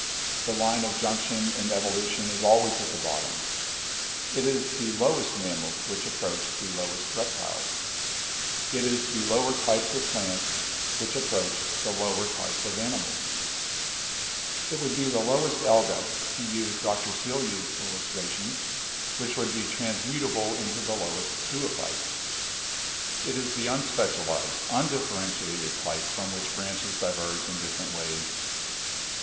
The line of junction in evolution is always at the bottom. It is the lowest mammals which approach the lowest reptiles; it is the lower types of plants which approach the lower types of animals ; it would be the lowest Alga, to use Dr. Seelye's illustration, which would be transmutable into the lowest zoophyte ; it is the unspecial ized, undifferentiated type from which branches diverge in different ways.